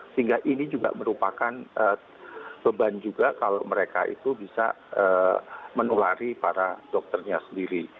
sehingga ini juga merupakan beban juga kalau mereka itu bisa menulari para dokternya sendiri